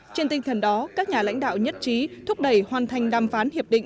trên tinh thần đó các nhà lãnh đạo nhất trí thúc đẩy hoàn thành đàm phán hiệp định